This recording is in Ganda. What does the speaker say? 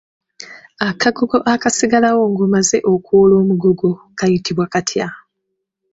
Akagogo akasigalawo ng’omaze okuwoola omugogo kayitibwa katya?